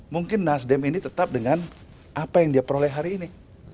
mungkin nasdem ini tetap dengan apa yang dia peroleh hari ini